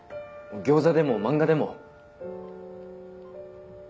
餃子でも漫画でも。